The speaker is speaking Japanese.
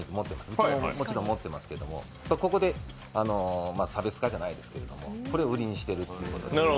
うちももちろん持ってますけども、ここで差別化じゃないですけどもこれを売りにしてるということで。